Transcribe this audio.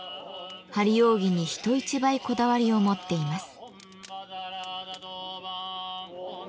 張り扇に人一倍こだわりを持っています。